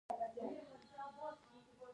ازادي راډیو د حیوان ساتنه اړوند مرکې کړي.